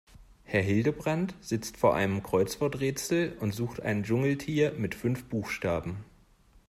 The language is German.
Herr Hildebrand sitzt vor einem Kreuzworträtsel und sucht ein Dschungeltier mit fünf Buchstaben.